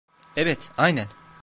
Evet, aynen.